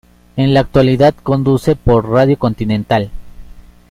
En la actualidad conduce por "Radio Continental".